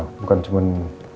enggak bukan cuman